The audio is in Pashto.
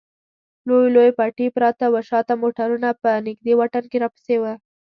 لوی لوی پټي پراته و، شا ته موټرونه په نږدې واټن کې راپسې و.